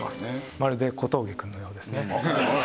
まるで小峠くんのようですね。